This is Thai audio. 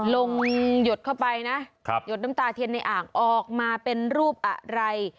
หยดเข้าไปนะหยดน้ำตาเทียนในอ่างออกมาเป็นรูปอะไร